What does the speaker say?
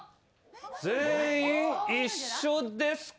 全員一緒ですかね。